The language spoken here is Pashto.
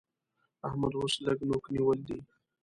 احمد اوس لږ نوک نيول دی